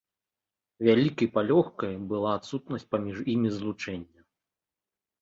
Вялікай палёгкай была адсутнасць паміж імі злучэння.